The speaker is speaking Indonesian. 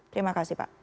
terima kasih pak